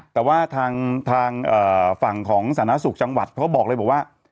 แต่ว่าทางฝั่งของสถานสุขจังหวัดเขาก็บอกเลยว่า